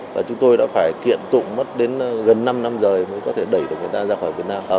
và chúng tôi đã phải kiện tụng mất đến gần năm năm rồi mới có thể đẩy được người ta ra khỏi việt nam